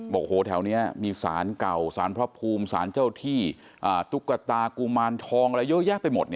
โหแถวนี้มีสารเก่าสารพระภูมิสารเจ้าที่ตุ๊กตากุมารทองอะไรเยอะแยะไปหมด